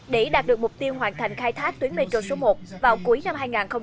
để đạt được mục tiêu hoàn thành khai thác tuyến metro số một vào cuối năm hai nghìn hai mươi